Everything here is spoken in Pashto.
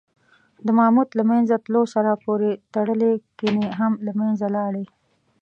د ماموت له منځه تلو سره پورې تړلي کنې هم له منځه لاړې.